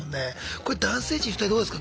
これ男性陣２人どうですか？